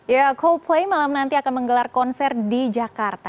ya coldplay malam nanti akan menggelar konser di jakarta